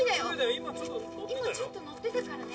今ちょっと乗ってたからね。